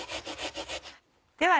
では